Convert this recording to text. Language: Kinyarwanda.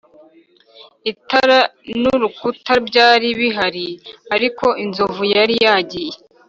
itara n'urukuta byari bihari, ariko inzovu yari yagiye!